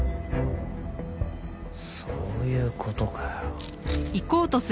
そういう事かよ。